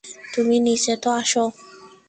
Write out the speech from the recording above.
তুমি নিচে তো আসো।